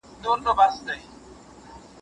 دا یو ډېر جالب او د پند نه ډک داستان و.